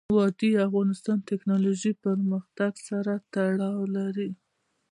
وادي د افغانستان د تکنالوژۍ پرمختګ سره تړاو لري.